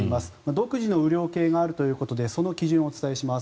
独自の雨量計があるということでその基準をお伝えします。